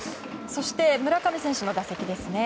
そして村上選手の打席ですね。